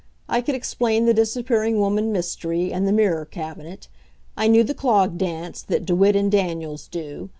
I could explain the disappearing woman mystery, and the mirror cabinet. I knew the clog dance that Dewitt and Daniels do.